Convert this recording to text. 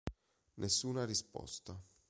Nessuna risposta.